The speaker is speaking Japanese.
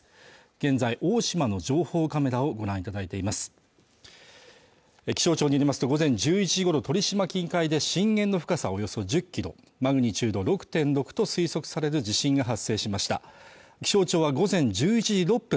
現在大島の情報カメラをご覧いただいています気象庁によりますと午前１１時ごろ鳥島近海で震源の深さおよそ１０キロマグニチュード６．６と推測される地震が発生しました気象庁は午前１１時６分